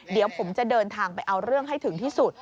เดี๋ยวผมจะเดินทางไปเอาเรื่องให้ถึงที่สุด